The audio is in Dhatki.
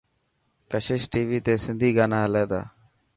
ڪشش ٽي وي تي سنڌي گانا هلي تا.